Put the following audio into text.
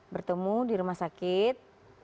bertemu di rumah sakit